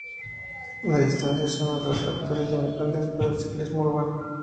La distancia es uno de los factores limitantes para el ciclismo urbano.